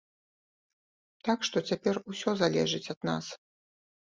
Так што цяпер усё залежыць ад нас.